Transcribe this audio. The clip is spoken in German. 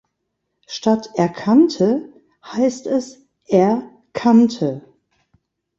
Statt „erkannte“ heißt es „er kannte“.